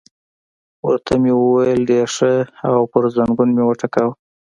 ورته مې وویل: ډېر ښه، او پر زنګون مې وټکاوه.